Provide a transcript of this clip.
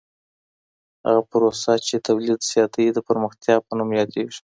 هغه پروسه چي تولید زیاتوي د پرمختیا په نوم یادیږي.